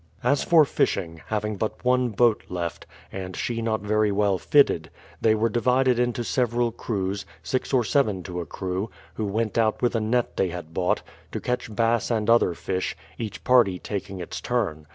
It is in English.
As for fishing, having but one boat left, and she not very well fitted, they were divided into several crews, six or seven to a crew, who went out with a net they had bought, to catch bass and other fish, each party taking its turn.